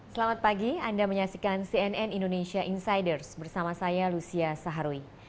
selamat pagi anda menyaksikan cnn indonesia insiders bersama saya lucia saharwi